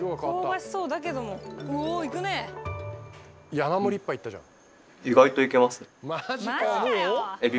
山盛り１杯いったじゃん。